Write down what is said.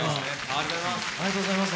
ありがとうございます。